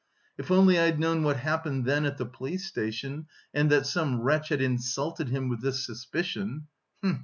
If only I'd known what happened then at the police station and that some wretch... had insulted him with this suspicion!